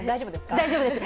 大丈夫ですか？